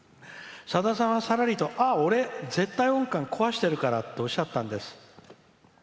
「さださんは、さらりと絶対音感、壊してるからっておっしゃってたんです。